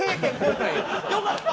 「よかった！」。